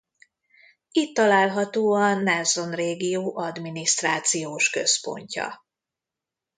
Itt található a Nelson régió adminisztrációs központja.